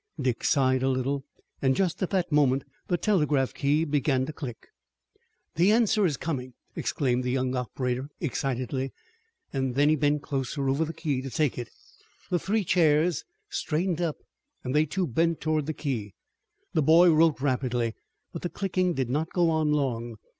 Dick sighed a little, and just at that moment the telegraph key began to click. "The answer is coming!" exclaimed the young operator excitedly and then he bent closer over the key to take it. The three chairs straightened up, and they, too, bent toward the key. The boy wrote rapidly, but the clicking did not go on long.